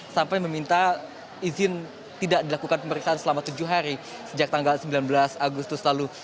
sampai meminta izin tidak dilakukan pemeriksaan selama tujuh hari sejak tanggal sembilan belas agustus lalu